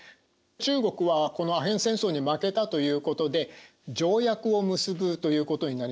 中国はこのアヘン戦争に負けたということで「条約を結ぶ」ということになります。